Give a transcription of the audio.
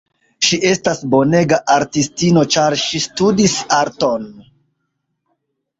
Ŝi estas bonega artistino ĉar ŝi studis arton.